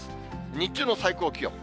日中の最高気温。